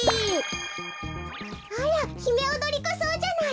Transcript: あらヒメオドリコソウじゃない！